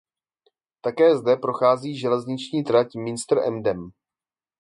Také zde prochází železniční trať Münster–Emden.